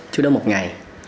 trước đó một ngày